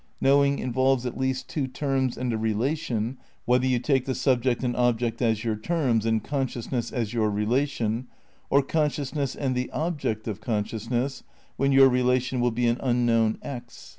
Knowing involves at least two terms and a relation, whether you take the subject and object as your terms and con sciousness as your relation, or consciousness and the object of consciousness, when your relation will be an unknown x.